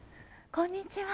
こんにちは。